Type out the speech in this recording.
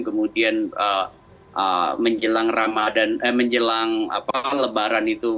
kemudian menjelang ramadan eh menjelang lebaran itu